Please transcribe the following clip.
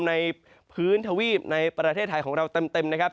ในพื้นทวีปในประเทศไทยของเราเต็มนะครับ